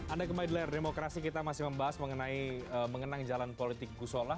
anda kembali di layar demokrasi kita masih membahas mengenai mengenang jalan politik gusola